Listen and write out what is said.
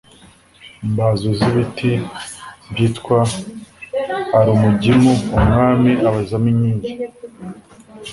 Mbaho z' ibiti byitwa alumugimu umwami abazamo inkingi